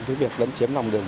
với việc lấn chiếm vận động